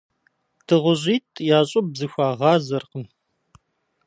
Дыгъужьитӏ я щӏыб зэхуагъазэркъым.